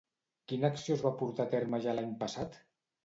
Quina acció es va portar a terme ja l'any passat?